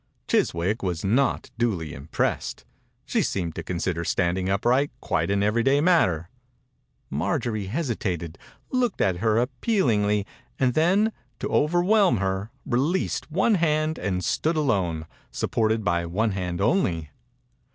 Chiswick was not duly im pressed. She seemed to consider standing upright quite an every day matter. Marjorie hesitated, 91 THE INCUBATOR BABY looked at her appealingly, and then, to overwhelm her, released one hand and stood alone, sup ported by one hand only.